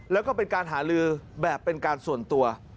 แล้วก็เป็นการหาลือแบบเป็นการส่วนตัว